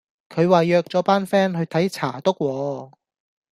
佢話約咗班 fan 去睇查篤喎